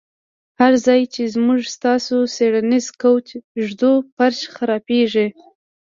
هر ځای چې موږ ستاسو څیړنیز کوچ ږدو فرش خرابیږي